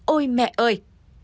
ôi mẹ ơi